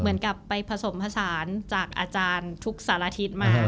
เหมือนกับไปผสมผสานจากอาจารย์ทุกสารทิศมา